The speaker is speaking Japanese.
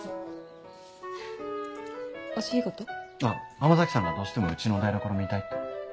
浜崎さんがどうしてもうちの台所見たいって。